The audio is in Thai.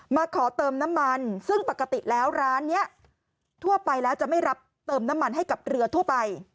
มาขอเติมน้ำมันซึ่งปกติแล้วร้านนี้ทั่วไปแล้วจะไม่รับเติมน้ำมันให้กับเรือทั่วไป